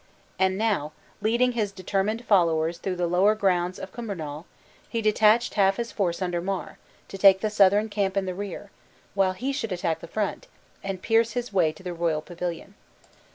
And now, leading his determined followers through the lower grounds of Cumbernaul, he detached half his force under Mar, to take the Southron camp in the rear, while he should attack the front, and pierce his way to the royal pavilion.